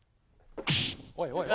・おいおい・